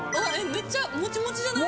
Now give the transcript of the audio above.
めっちゃモチモチじゃない？